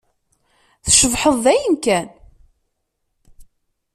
Tcebḥeḍ dayen kan!